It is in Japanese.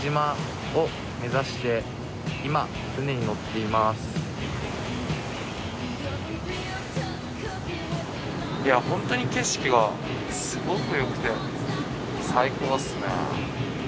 いやホントに景色がすごくよくて最高ですね。